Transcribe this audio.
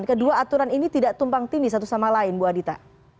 kedua aturan ini tidak tumpang tindih satu sama lain bu adita